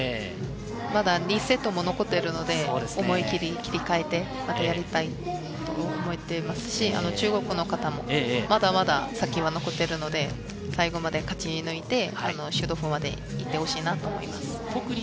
まだ２セットも残ってるので、思い切り切り替えてまたやりたいと思ってますし、中国の方もまだまだ先は残ってるので、最後まで勝ち抜いてシュートオフまで行ってほしいなと思います。